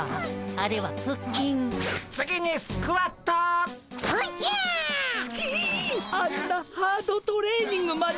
あんなハードトレーニングまで！？